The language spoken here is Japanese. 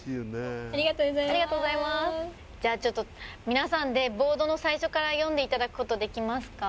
皆さんでボードの最初から読んでいただくことできますか？